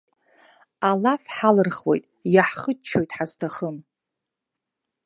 Алаф ҳалырхуеит, иаҳхыччоит ҳазҭахым.